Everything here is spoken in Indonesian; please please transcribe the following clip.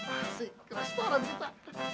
asik restoran kita